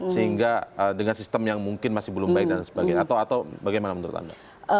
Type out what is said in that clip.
sehingga dengan sistem yang mungkin masih belum baik dan sebagainya atau bagaimana menurut anda